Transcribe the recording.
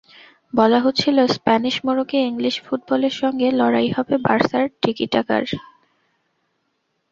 বলা হচ্ছিল, স্প্যানিশ মোড়কে ইংলিশ ফুটবলের সঙ্গে লড়াই হবে বার্সার টিকিটাকার।